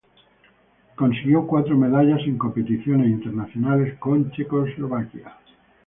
Consiguió cuatro medallas en competiciones internacionales con Checoslovaquia.